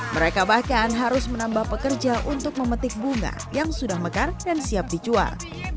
mereka bahkan harus menambah pekerja untuk memetik bunga yang sudah mekar dan siap dicual